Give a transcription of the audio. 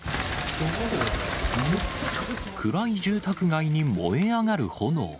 暗い住宅街に燃え上がる炎。